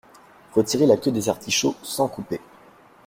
Retirer la queue des artichauts sans couper